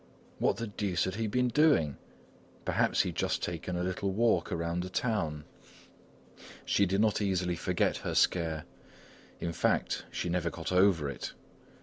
What the deuce had he been doing? Perhaps he had just taken a little walk around the town! She did not easily forget her scare, in fact, she never got over it.